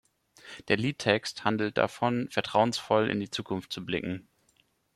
Der Liedtext handelt davon, vertrauensvoll in die Zukunft zu blicken.